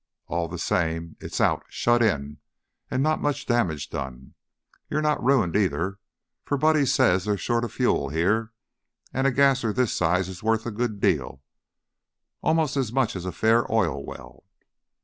All the same, it is out, shut in, and not much damage done. You're not ruined, either, for Buddy says they're short of fuel here, and a gasser this size is worth a good deal 'most as much as a fair oil well.'"